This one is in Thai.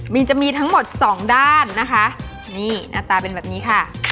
มีจะมีทั้งหมดสองด้านนะคะนี่หน้าตาเป็นแบบนี้ค่ะ